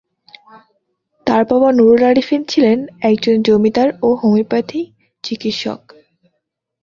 তার বাবা নুরুল আরেফিন ছিলেন একজন জমিদার ও হোমিওপ্যাথি চিকিৎসক।